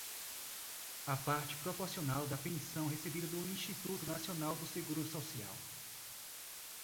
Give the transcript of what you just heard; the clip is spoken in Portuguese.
A parte proporcional da pensão recebida do Instituto Nacional do Seguro Social.